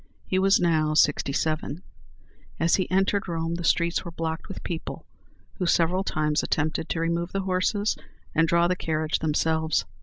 He was now sixty seven. As he entered Rome, the streets were blocked with people, who several times attempted to remove the horses, and draw the carriage themselves.